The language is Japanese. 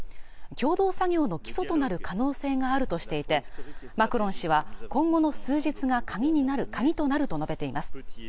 共同作業の基礎となる可能性があるとしていてマクロン氏は今後の数日が鍵となると述べています